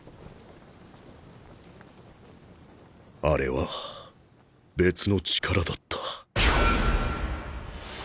あれは別の力だった